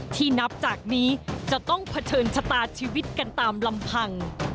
นับจากนี้จะต้องเผชิญชะตาชีวิตกันตามลำพัง